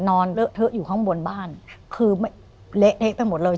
เลอะเทอะอยู่ข้างบนบ้านคือเละเทะไปหมดเลย